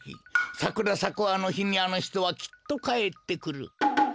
さくらさくあのひにあのひとはきっとかえってくる。